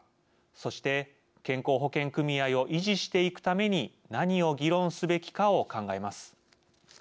そして健康保険組合を維持していくために何を議論すべきかを考えます。